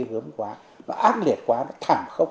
hướng quá nó ác liệt quá nó thảm khốc